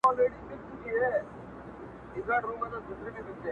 زما پر زړه لګي سیده او که کاږه وي,